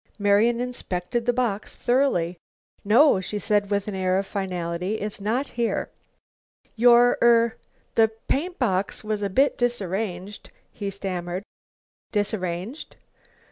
Marian inspected the box thoroughly. "No," she said with an air of finality, "it's not here." "Your er the paint box was a bit disarranged," he stammered. "Disarranged?"